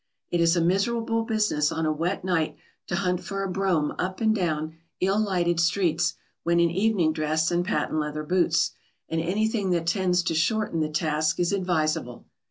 ] It is a miserable business on a wet night to hunt for a brougham up and down ill lighted streets when in evening dress and patent leather boots, and anything that tends to shorten the task is advisable.